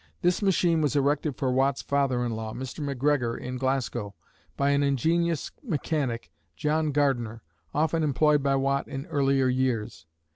This machine was erected for Watt's father in law, Mr. MacGregor in Glasgow, by an ingenious mechanic, John Gardiner, often employed by Watt in earlier years.